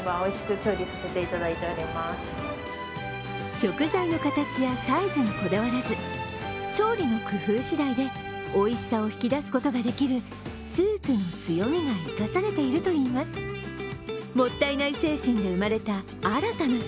食材の形やサイズにこだわらず、調理の工夫しだいでおいしさを引き出すことができるスープの強みが生かされているといいます。